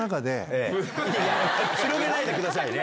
広げないでください。